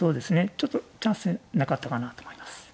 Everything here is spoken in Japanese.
ちょっとチャンスなかったかなと思います。